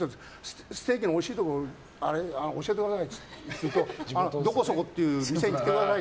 ステーキのおいしいところ教えてよって言うとどこそこっていうお店に行ってください